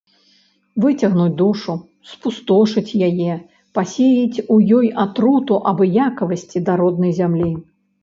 Выцягнуць душу, спустошыць яе, пасеяць у ёй атруту абыякавасці да роднай зямлі.